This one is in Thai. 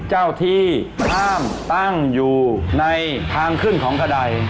เจ้าที่ห้ามตั้งอยู่ในทางขึ้นของกระดาย